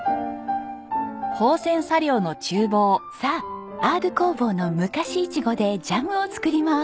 さあＲ工房の昔いちごでジャムを作ります。